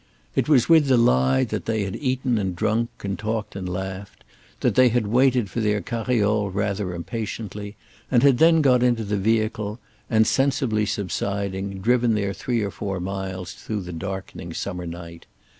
It was with the lie that they had eaten and drunk and talked and laughed, that they had waited for their carriole rather impatiently, and had then got into the vehicle and, sensibly subsiding, driven their three or four miles through the darkening summer night.